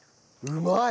うまい！